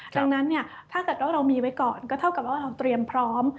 ดังนั้นเนี่ยถ้าเกิดว่าเรามีไว้ก่อนก็เท่ากับว่าเราเตรียมพร้อม